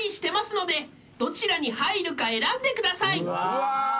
うわ。